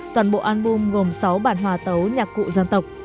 toàn bộ album gồm sáu bản hòa tấu nhạc cụ dân tộc